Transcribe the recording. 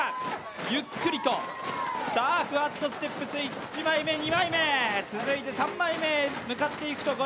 ゆっくりと、さぁ、クワッドステップス、１枚目、２枚目、続いて３枚目向かって行くところ。